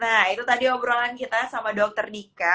nah itu tadi obrolan kita sama dokter dika